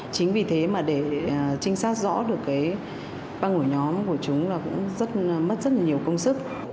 chính vì thế mà để trinh sát rõ được cái băng ổ nhóm của chúng là cũng rất mất rất là nhiều công sức